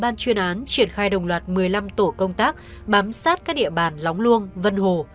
ban chuyên án triển khai đồng loạt một mươi năm tổ công tác bám sát các địa bàn lóng luông vân hồ